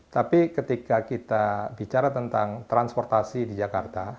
tapi ketika kita bicara tentang transportasi di jakarta